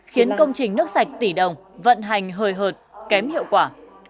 khiến công trình nước sạch tỷ đồng vận hành hời hợt kém hiệu quả